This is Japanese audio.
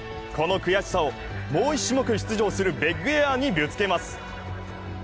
この悔しさをもう１種目出場するビッグエアにぶつけます。